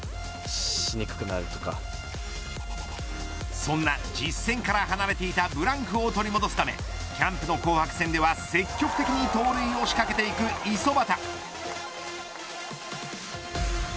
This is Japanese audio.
そんな実戦から離れていたブランクを取り戻すためキャンプの紅白戦では積極的に盗塁を仕掛けていく五十幡。